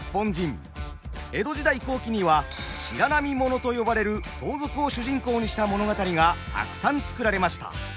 江戸時代後期には「白浪もの」と呼ばれる盗賊を主人公にした物語がたくさん作られました。